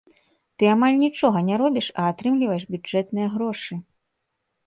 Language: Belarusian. Ты амаль нічога не робіш, а атрымліваеш бюджэтныя грошы.